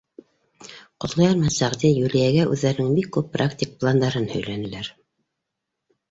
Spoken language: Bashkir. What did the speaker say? Ҡотлояр менән Сәғди Юлияға үҙҙәренең бик күп практик пландарын һөйләнеләр.